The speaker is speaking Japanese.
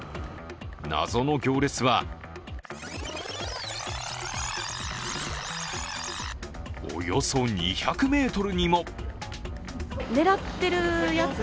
謎の行列はおよそ２００ｍにも。